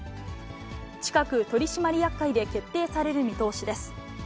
近く、取締役会で決定される見通しです。